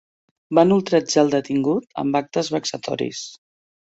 Van ultratjar el detingut amb actes vexatoris.